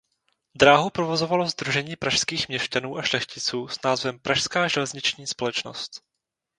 Dráhu provozovalo sdružení pražských měšťanů a šlechticů s názvem Pražská železniční společnost.